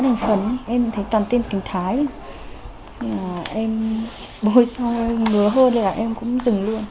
em thấy toàn tên tình thái bôi do ngứa hơn là em cũng dừng luôn